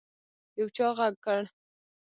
يو چا غږ کړ.